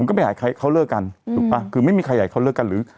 ก็ไม่อยากให้ใครเขาเลิกกันถูกป่ะคือไม่มีใครอยากให้เขาเลิกกันหรือ